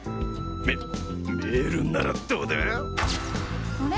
メメールならどうだ？あれ？